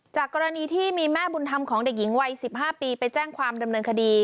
กรณีที่มีแม่บุญธรรมของเด็กหญิงวัย๑๕ปีไปแจ้งความดำเนินคดี